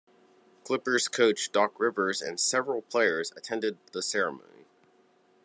Clippers coach Doc Rivers and several players attended the ceremony.